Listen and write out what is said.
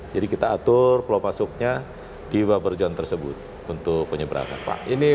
jadi kita atur pelabur masuknya di barber zone tersebut untuk penyeberangan